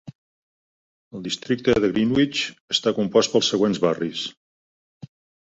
El districte de Greenwich està compost pels següents barris.